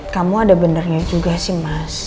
kamu ada benarnya juga sih mas